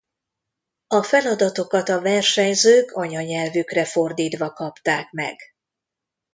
A feladatokat a versenyzők anyanyelvükre fordítva kapták meg.